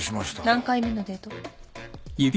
何回目のデート？